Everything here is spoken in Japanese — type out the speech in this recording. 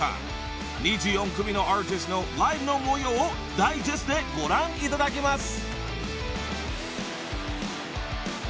［２４組のアーティストのライブの模様をダイジェストでご覧いただきます］